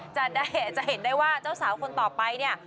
จะเห็นได้ว่าเจ้าสาวคนต่อไปเนี่ย